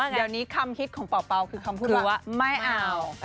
อันนี้คำคิดของเป่าเป่าคือว่าคือว่า